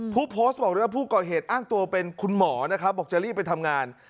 ผู้โพสต์บอกด้วยว่าผู้ก่อเหตุอ้างตัวเป็นคุณหมอนะครับบอกจะรีบไปทำงาน